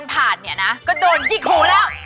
มันเป็นอะไร